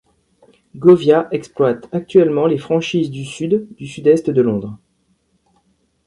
Govia exploite actuellement les franchises du Sud, du Sud-Est de Londres.